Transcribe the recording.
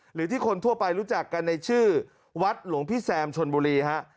หรือที่คนทั่วไปรู้จักกันในชื่อวัดหลวงพี่แซมชนบุรีฮะ